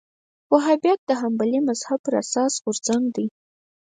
وهابیت حنبلي مذهب پر اساس غورځنګ دی